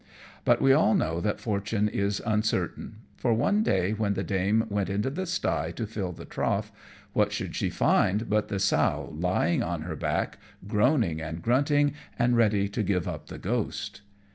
But we all know that fortune is uncertain; for one day, when the dame went into the sty to fill the trough, what should she find but the sow lying on her back groaning and grunting, and ready to give up the ghost.